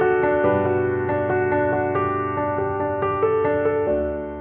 indonesia yang adalah rumah kita bersama